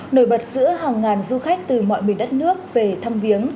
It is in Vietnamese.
nổi bật giữa hàng ngàn du khách từ mọi miền đất nước về thăm viếng